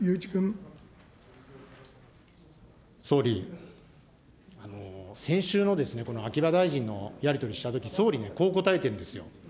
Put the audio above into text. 総理、先週の秋葉大臣のやり取りしたとき、総理、こう答えてるんですよ。